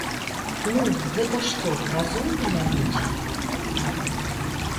Ну, гэта што, разумныя людзі?